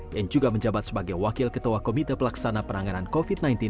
yang juga menjabat sebagai wakil ketua komite pelaksana penanganan covid sembilan belas